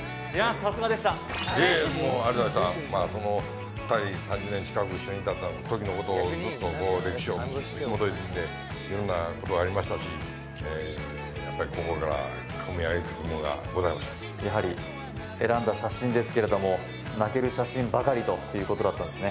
さすがでしたいやもうありがとうございました２人３０年近く一緒にいたときのことをずっと歴史をひもといてみて色んなことありましたしやっぱりやはり選んだ写真ですけれども泣ける写真ばかりということだったんですね